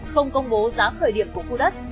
không công bố giá khởi điện của khu đất